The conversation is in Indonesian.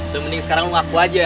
lu mending sekarang lu ngaku aja